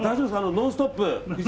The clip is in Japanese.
「ノンストップ！」。